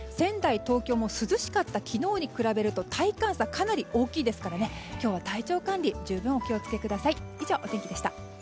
仙台、東京も涼しかった昨日に比べると寒暖差が大きいので今日は体調管理十分にお気をつけください。